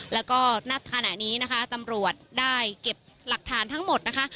แล้วก็ณขณะนี้นะคะตำรวจได้เก็บหลักฐานทั้งหมดนะคะ